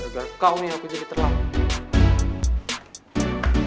gak kau nih aku jadi terlambat